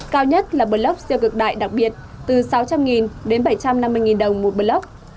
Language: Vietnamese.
cao nhất là bờ lốc siêu cực đại đặc biệt từ sáu trăm linh bảy trăm năm mươi đồng một bờ lốc